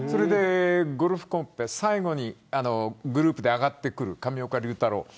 ゴルフコンペの最後にグループで上がってくる上岡龍太郎。